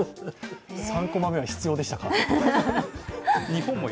３コマ目は必要でしたか？